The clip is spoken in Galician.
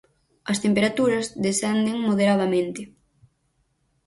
As temperaturas descenden moderadamente.